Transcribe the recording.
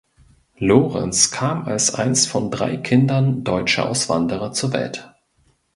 Lorenz kam als eins von drei Kindern deutscher Auswanderer zur Welt.